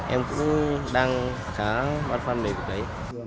em cũng đang khá văn phan về cuộc đấy